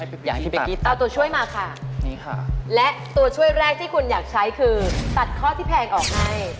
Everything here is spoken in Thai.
เอาตัวช่วยมาค่ะและตัวช่วยแรกที่คุณอยากใช้คือตัดข้อที่แพงออกให้